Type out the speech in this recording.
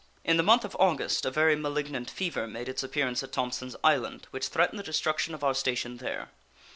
In the month of August a very malignant fever made its appearance at Thompsons Island, which threatened the destruction of our station there.